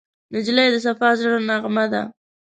نجلۍ د صفا زړه نغمه ده.